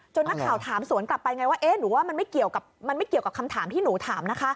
จนนักข่าวถามสวนกลับไปไงว่าหรือว่ามันไม่เกี่ยวกับคำถามที่หนูถามนะคะ